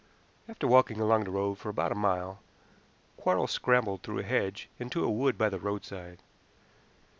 After walking along the road for about a mile Quarles scrambled through a hedge into a wood by the roadside.